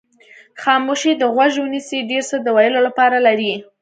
خاموشۍ ته غوږ ونیسئ ډېر څه د ویلو لپاره لري.